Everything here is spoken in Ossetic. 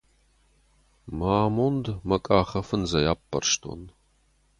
Мӕ амонд мӕ къахы фындзӕй аппӕрстон.